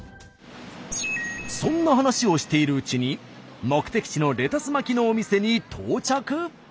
そんな話をしているうちに目的地のレタス巻のお店に到着。